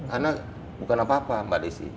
karena bukan apa apa mbak desy